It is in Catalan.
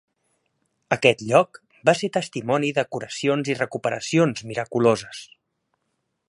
Aquest lloc va ser testimoni de curacions i recuperacions miraculoses.